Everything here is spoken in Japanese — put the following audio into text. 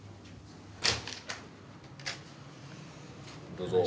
どうぞ。